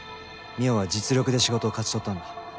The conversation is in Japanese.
望緒は実力で仕事を勝ち取ったんだ。